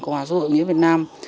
hòa xuất hội nghĩa việt nam